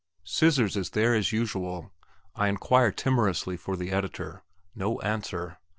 "Scissors" is there as usual. I inquire timorously for the editor. No answer.